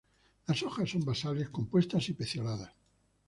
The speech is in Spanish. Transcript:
Las hojas son basales, compuestas y pecioladas.